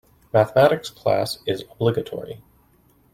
Mathematics class is obligatory.